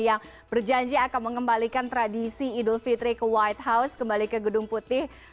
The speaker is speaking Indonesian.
yang berjanji akan mengembalikan tradisi idul fitri ke white house kembali ke gedung putih